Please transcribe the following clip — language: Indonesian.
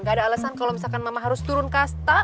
gak ada alasan kalau misalkan mama harus turun kasta